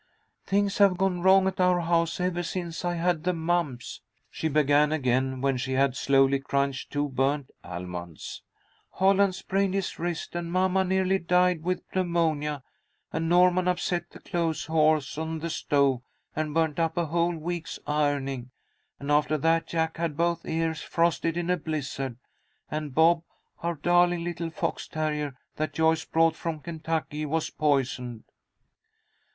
"Things have gone wrong at our house ever since I had the mumps," she began again, when she had slowly crunched two burnt almonds. "Holland sprained his wrist and mamma nearly died with pneumonia and Norman upset the clothes horse on the stove and burnt up a whole week's ironing. And after that Jack had both ears frosted in a blizzard, and Bob, our darling little fox terrier that Joyce brought from Kentucky, was poisoned."